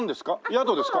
宿ですか？